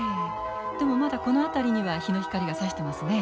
でもまだこの辺りには日の光がさしてますね。